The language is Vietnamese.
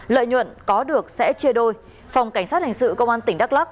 lợi nhuận có được sẽ chia đôi phòng cảnh sát hình sự công an tỉnh đắk lắc